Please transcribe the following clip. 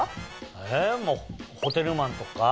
えホテルマンとか？